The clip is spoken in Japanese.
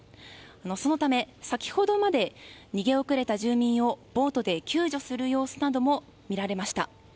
そのため先ほどまで逃げ遅れた住民をボートで救助する様子なども見られました。